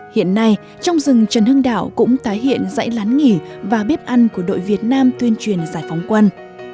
hiện nay trong rừng trần hưng đạo cũng tái hiện dãy lán nghỉ và bếp ăn của đội việt nam tuyên truyền giải phóng quân